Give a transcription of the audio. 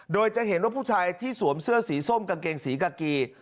โดยจะเห็นว่าผู้ชายที่สวมเสื้อสีส้มกางเกงสีกากี